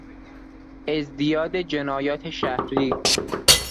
ازدیاد جنایات شهری